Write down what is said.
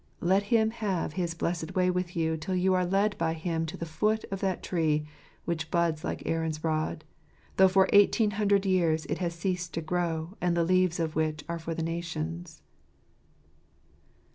Let Him have his blessed way with you till you are led by Him to the foot of that tree which buds like Aaron's rod, though for eighteen hundred years it has ceased to grow, and the leaves of which are for the nations